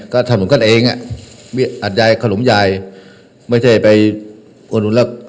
ก็สำหนุนกันเองอ่ะอัดยายขนมยายไม่ได้ไปอ่อนุลักษณ์